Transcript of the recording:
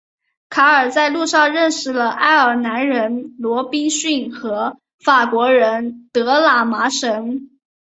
卡尔在路上认识了爱尔兰人罗宾逊和法国人德拉马什。